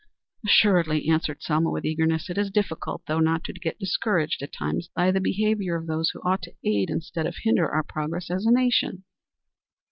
"Assuredly," answered Selma, with eagerness. "It is difficult, though, not to get discouraged at times by the behavior of those who ought to aid instead of hinder our progress as a nation."